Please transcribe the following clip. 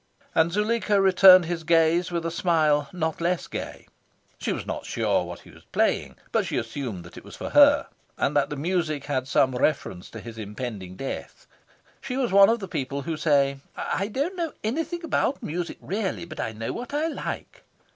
And Zuleika returned his gaze with a smile not less gay. She was not sure what he was playing. But she assumed that it was for her, and that the music had some reference to his impending death. She was one of the people who say "I don't know anything about music really, but I know what I like."